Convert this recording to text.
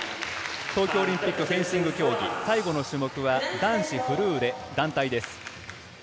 東京オリンピック、フェンシング競技、最後の種目は男子フルーレ団体です。